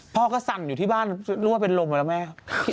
พ่อก็สั่นอยู่ที่บ้านรั่วเป็นลมมาแล้วแม่